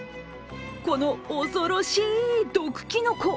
この恐ろしい毒きのこ。